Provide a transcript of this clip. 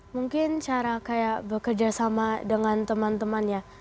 mungkin cara kayak bekerja sama dengan teman teman ya